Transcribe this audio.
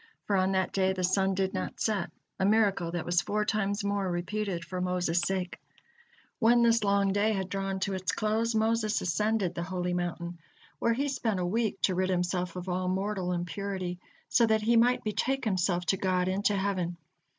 For on that day the sun did not set, a miracle that was four times more repeated for Moses' sake. When this long day had drawn to its close, Moses ascended the holy mountain, where he spent a week to rid himself of all mortal impurity, so that he might betake himself to God into heaven.